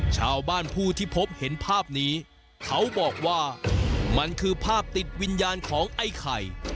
ชาวบ้านผู้ที่พบเห็นภาพนี้เขาบอกว่ามันคือภาพติดวิญญาณของไอ้ไข่